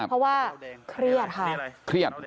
เพราะว่าเครียดค่ะ